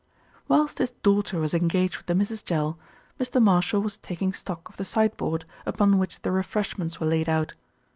Whilst his daughter was engaged with the Misses Jell, Mr. Marshall was taking stock of the sideboard, upon which the refreshments were laid out.